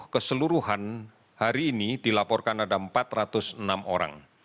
keseluruhan hari ini dilaporkan ada empat ratus enam orang